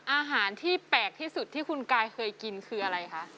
อาหารที่แปลกที่สุดที่คุณกายเคยกินคืออะไรคะ